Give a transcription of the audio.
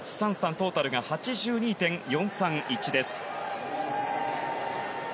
トータルが８２．４３１です。